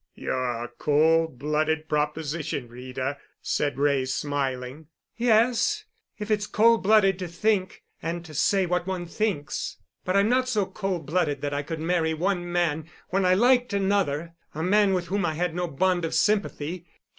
"You're a cold blooded proposition, Rita," said Wray smiling. "Yes—if it's cold blooded to think—and to say what one thinks. But I'm not so cold blooded that I could marry one man when I liked another—a man with whom I had no bond of sympathy.